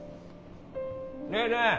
ねえねえ